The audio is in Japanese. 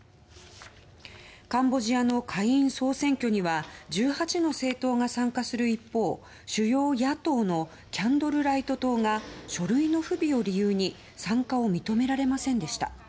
カンボジアの下院総選挙には１８の政党が参加する一方主要野党のキャンドルライト党が書類の不備を理由に参加を認められませんでした。